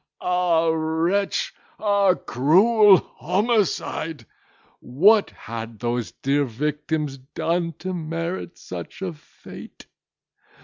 Ah wretch!—ah cruel homicide!—what had those dear victims done to merit such a fate?